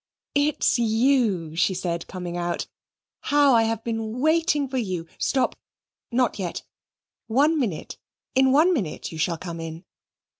"It's you," she said, coming out. "How I have been waiting for you! Stop! not yet in one minute you shall come in."